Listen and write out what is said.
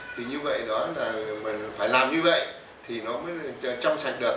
thì như vậy đó là phải làm như vậy thì nó mới trong sạch được